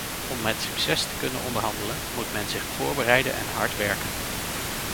Om met succes te kunnen onderhandelen moet men zich voorbereiden en hard werken.